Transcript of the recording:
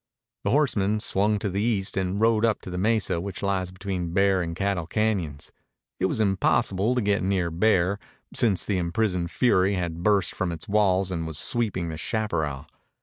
The horsemen swung to the east and rode up to the mesa which lies between Bear and Cattle Cañons. It was impossible to get near Bear, since the imprisoned fury had burst from its walls and was sweeping the chaparral.